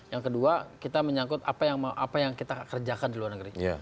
yang kedua kita menyangkut apa yang kita kerjakan di luar negeri